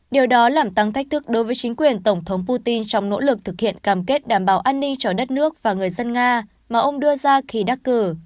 điều đó làm tăng thách thức đối với chính quyền tổng thống putin trong nỗ lực thực hiện cam kết đảm bảo an ninh cho đất nước và người dân nga mà ông đưa ra khi đắc cử